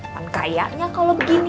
kan kayaknya kalau begini